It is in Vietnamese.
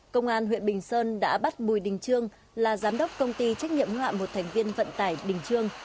công an huyện bình sơn đã bắt bùi đình trương là giám đốc công ty trách nhiệm hoạn một thành viên vận tải đình trương